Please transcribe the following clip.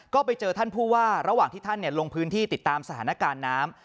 ก็ไปเจอท่านผู้ว่าระหว่างที่ท่านลงพื้นที่ติดตามสถานการณ์น้ำ